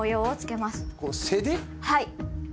はい。